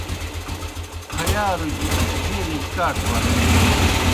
پھیارُجیْ جیلِجیْ کاٹھہ ولیگہ۔